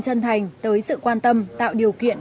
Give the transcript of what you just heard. chân thành tới sự quan tâm tạo điều kiện